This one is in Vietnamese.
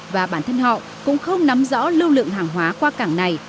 và bản thân họ cũng không nắm rõ lưu lượng hàng hóa qua cảng này